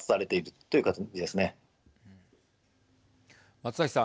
松崎さん。